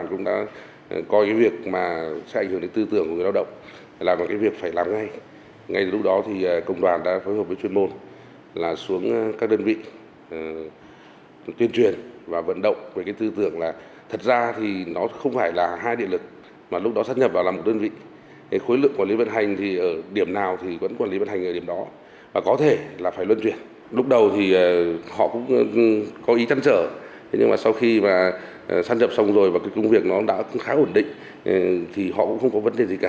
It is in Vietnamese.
họ cũng có ý thân sở nhưng mà sau khi mà xác nhập xong rồi và cái công việc nó đã khá ổn định thì họ cũng không có vấn đề gì cả